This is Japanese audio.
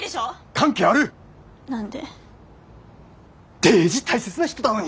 デージ大切な人だのに。